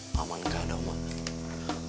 maman gak ada umat